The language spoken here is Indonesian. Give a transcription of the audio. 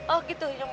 oh gitu nyamut